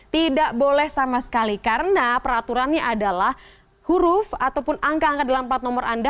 tidak boleh sama sekali karena peraturannya adalah huruf ataupun angka angka dalam plat nomor anda